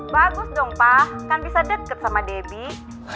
bagus dong pak kan bisa deket sama debbie